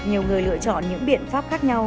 nhiều người lựa chọn những biện pháp khác nhau